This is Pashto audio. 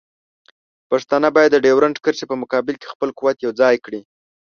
پښتانه باید د ډیورنډ کرښې په مقابل کې خپل قوت یوځای کړي.